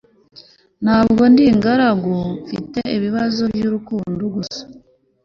ntabwo ndi ingaragu mfite ibibazo by'urukundo gusa